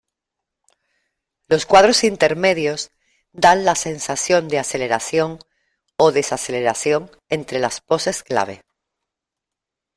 Los cuadros intermedios dan la sensación de aceleración o desaceleración entre las poses clave.